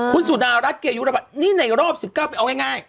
คุณสุดารัฐเกยุรบัตรนี่ในรอบ๑๙ไปเอาง่าย